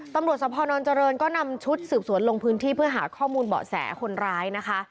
สะพอนอนเจริญก็นำชุดสืบสวนลงพื้นที่เพื่อหาข้อมูลเบาะแสคนร้ายนะคะ